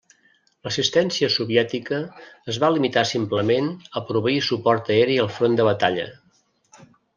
L'assistència soviètica es va limitar simplement a proveir suport aeri al front de batalla.